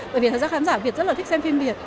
bởi vì thật ra khán giả việt rất là thích xem phim việt